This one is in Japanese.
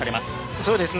そうですね。